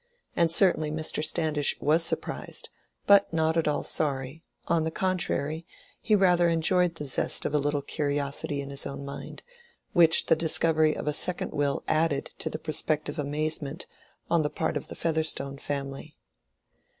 And certainly Mr. Standish was surprised, but not at all sorry; on the contrary, he rather enjoyed the zest of a little curiosity in his own mind, which the discovery of a second will added to the prospective amazement on the part of the Featherstone family.